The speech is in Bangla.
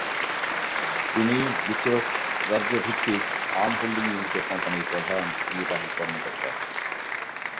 তিনি যুক্তরাজ্য ভিত্তিক আর্ম হোল্ডিং লিমিটেড কোম্পানির প্রধান নির্বাহী কর্মকর্তা।